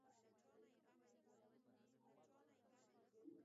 د تره پاڼې د بواسیر لپاره وکاروئ